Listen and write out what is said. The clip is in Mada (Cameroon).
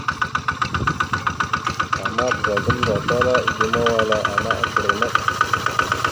Ama ɓəza gamənda tala eɗemawala ana agra naɗ.